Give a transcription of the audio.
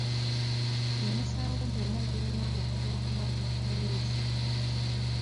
Emisango gyonna girina okuloopebwa ku poliisi.